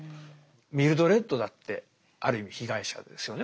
ミルドレッドだってある意味被害者ですよね